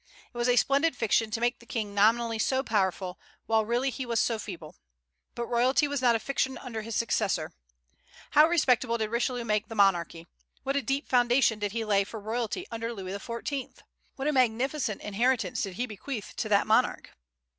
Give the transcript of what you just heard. It was a splendid fiction to make the King nominally so powerful, while really he was so feeble. But royalty was not a fiction under his successor. How respectable did Richelieu make the monarchy! What a deep foundation did he lay for royalty under Louis XIV.! What a magnificent inheritance did he bequeath to that monarch!